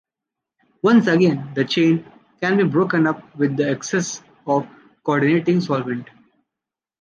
Once again, the chain can be broken up with an excess of coordinating solvent